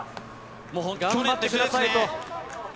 頑張ってくださいと。